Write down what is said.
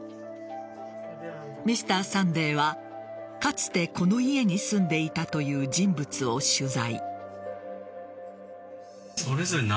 「Ｍｒ．サンデー」はかつてこの家に住んでいたという人物を取材。